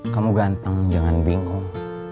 kamu ganteng jangan bingung